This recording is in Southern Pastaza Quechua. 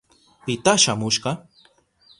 ¿Pita shamushka?